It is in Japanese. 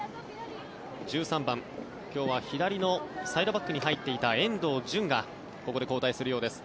１３番、今日は左のサイドバックに入っていた遠藤純がここで交代するようです。